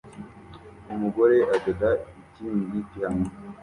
Umugore adoda ikiringiti hamwe